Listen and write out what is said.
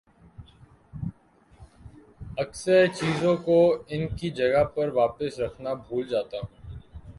اکثر چیزوں کو ان کی جگہ پر واپس رکھنا بھول جاتا ہوں